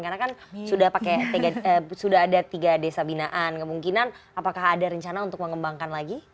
karena kan sudah ada tiga desa binaan kemungkinan apakah ada rencana untuk mengembangkan lagi